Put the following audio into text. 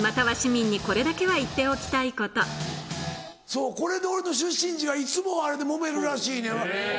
そうこれで俺の出身地はいつもあれでもめるらしいねん。